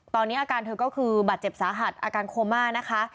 ตอนนี้อาการเธอก็คือบาดเจ็บสาหัสอาการโคม่านะคะ